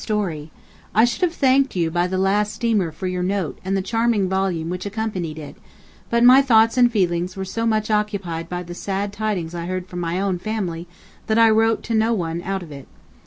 STORY: I should have thanked you by the last steamer for your note and the charming volume which accompanied it, but my thoughts and feelings were so much occupied by the sad tidings I heard from my own family that I wrote to no one out of it.